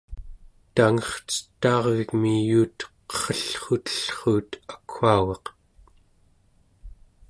tangercetaarvigmi yuut qerrellrutellruut akwaugaq